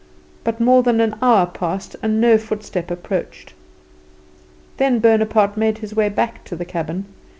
But more than an hour passed and no footstep approached. Then Bonaparte made his way back to the cabin.